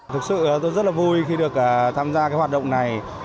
thực sự tôi rất là vui khi được tham gia cái hoạt động này